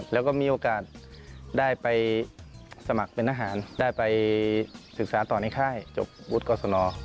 แล้วก็มีโอกาสได้ไปสมัครเป็นทหารได้ไปศึกษาต่อในค่ายจบวุฒิกรสน